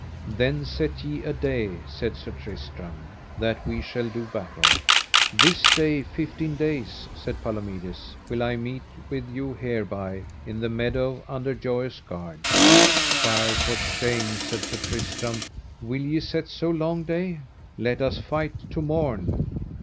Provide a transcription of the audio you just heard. Then set ye a day, said Sir Tristram, that we shall do battle. This day fifteen days, said Palomides, will I meet with you hereby, in the meadow under Joyous Gard. Fie for shame, said Sir Tristram, will ye set so long day? let us fight to morn.